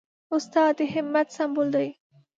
استاد د همت سمبول دی.